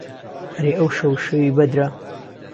ئهرێ ئهو شهو شهوی بهدره